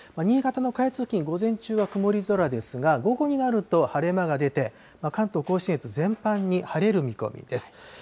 新潟の下越付近、午前中は曇り空ですが、午後になると、晴れ間が出て、関東甲信越、全般に晴れる見込みです。